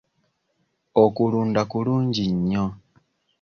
Okulunda kulungi nnyo.